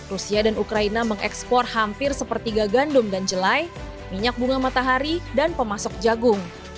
rusia dan ukraina mengekspor hampir sepertiga gandum dan jelai minyak bunga matahari dan pemasok jagung